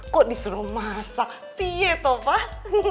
kok disuruh masak pieto pak